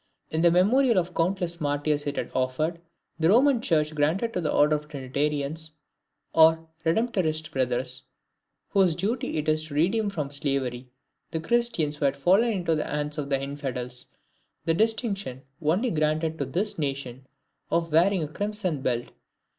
In memorial of the countless martyrs it had offered, the Roman Church granted to the order of Trinitarians, or Redemptorist Brothers, whose duty it was to redeem from slavery the Christians who had fallen into the hands of the Infidels, the distinction, only granted to this nation, of wearing a crimson belt.